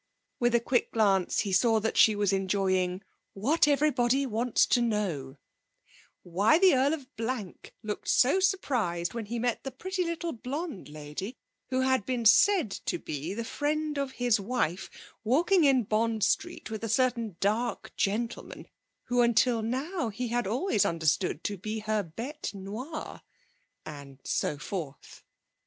With a quick glance he saw that she was enjoying 'What Everybody Wants to Know' 'Why the Earl of Blank looked so surprised when he met the pretty little blonde lady who had been said to be the friend of his wife walking in Bond Street with a certain dark gentleman who until now he had always understood to be her bête noire,' and so forth.